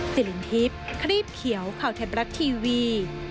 สิรินทรีปครีบเขียวข่าวเทปรัสทีวี